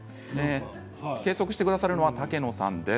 計測してくださるのは武野さんです。